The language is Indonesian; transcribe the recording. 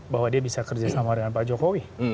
bahwa dia bisa kerja sama dengan pak jokowi